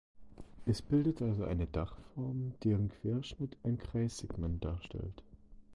Es bildet also eine Dachform, deren Querschnitt ein Kreissegment darstellt.